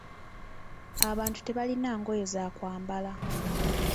Abantu tebalina ngoye za kwambala.